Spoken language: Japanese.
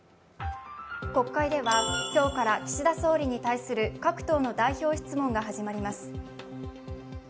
国会では今日から岸田総理に対する各党の代表質問が始まります。